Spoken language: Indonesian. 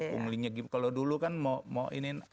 punglinya kalau dulu kan mau ini